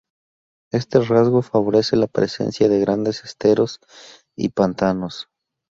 Este rasgo favorece la presencia de grandes esteros y pantanos.